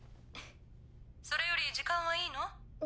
それより時間はいいの？